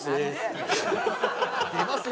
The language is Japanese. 「出ますよ。